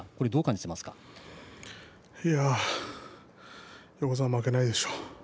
いやあ横綱負けないでしょう。